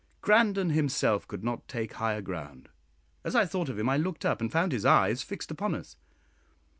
Grandon himself could not take higher ground; as I thought of him I looked up, and found his eyes fixed upon us.